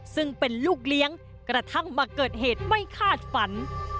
ซึ่งเป็นลูกเลี้ยงกระทั่งมาเกิดเหตุไม่คาดฝัน